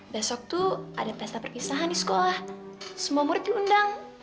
besok tuh ada pesta perpisahan di sekolah semua murid diundang